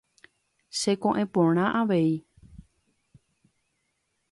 Cheko'ẽ porã avei.